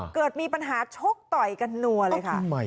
เกิดมีปัญหาชกต่อยกันหนัวเลยค่ะอ้าวอ้าวอ้าวอ้าว